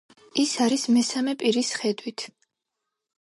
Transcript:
ის არის მესამე პირის ხედვით.